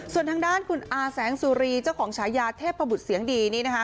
ส่วนทางด้านคุณอาแสงสุรีเจ้าของฉายาเทพบุตรเสียงดีนี่นะคะ